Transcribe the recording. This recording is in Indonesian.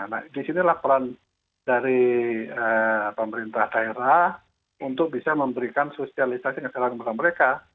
nah di sini laporan dari pemerintah daerah untuk bisa memberikan sosialisasi ke seluruh negara mereka